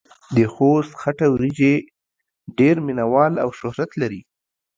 دخوست خټه وريژې ډېر مينه وال او شهرت لري.